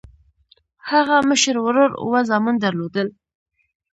هغه مشر ورور اووه زامن درلودل.